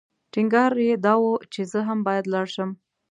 ټینګار یې دا و چې زه هم باید لاړ شم.